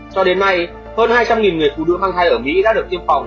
cho đến nay hơn hai trăm linh người phụ nữ mang thai ở mỹ đã được tiêm phòng